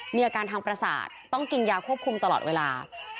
มีอาการทางประสาทต้องกินยาควบคุมตลอดเวลา